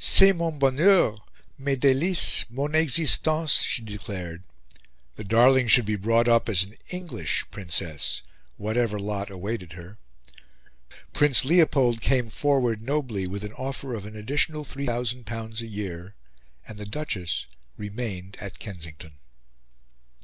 "C'est mon bonheur, mes delices, mon existence," she declared; the darling should be brought up as an English princess, whatever lot awaited her. Prince Leopold came forward nobly with an offer of an additional L3000 a year; and the Duchess remained at Kensington.